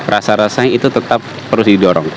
rasa rasanya itu tetap harus didorong